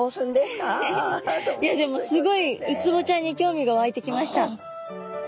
いやでもすごいウツボちゃんに興味がわいてきました。